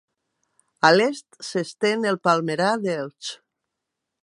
A l'est, s'estén el palmerar d'Elx.